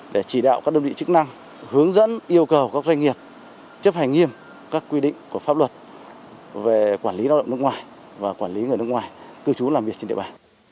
để chỉ đạo các đơn vị chức năng hướng dẫn yêu cầu các doanh nghiệp chấp hành nghiêm các quy định của pháp luật về quản lý lao động nước ngoài và quản lý người nước ngoài cư trú làm việc trên địa bàn